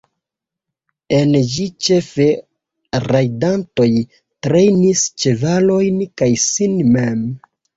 En ĝi ĉefe rajdantoj trejnis ĉevalojn kaj sin mem.